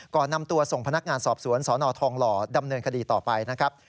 ก่อนนำตัวส่งพนักงานสอบสวนสนทองหล่อดำเนินคดีต่อไปนะครับ